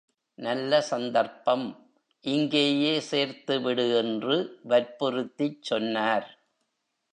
நல்ல சந்தர்ப்பம், இங்கேயே சேர்த்துவிடு என்று வற்புறுத்திச் சொன்னார்.